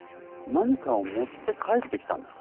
何かを持って帰ってきたんですか？